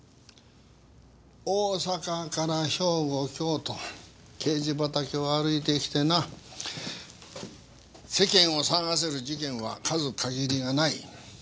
大阪から兵庫京都刑事畑を歩いてきてな世間を騒がせる事件は数限りがない。